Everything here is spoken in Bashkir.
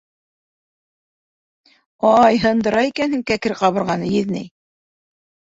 Ай, һындыра икәнһең кәкре ҡабырғаны, еҙнәй!